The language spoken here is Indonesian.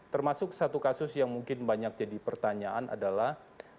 termasuk satu kasus yang mungkin banyak jadi pertanyaan adalah